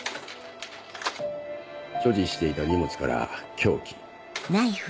所持していた荷物から凶器。